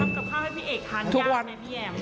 ทำกับข้าวให้พี่แอมทานยากไหมพี่แอมทุกวัน